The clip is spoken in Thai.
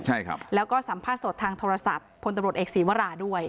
ใช่ครับแล้วก็สัมภาษณ์สดทางโทรศัพท์พลตำรวจเอกศีวราด้วย